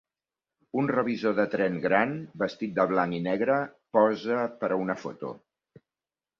Un revisor de tren gran, vestit de blanc i negre, posa per a una foto.